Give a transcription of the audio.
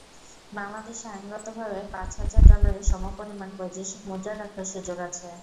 বাংলাদেশে আইনগতভাবে পাঁচ হাজার ডলারের সমপরিমাণ বৈদেশিক মুদ্রা রাখার সুযোগ আছে।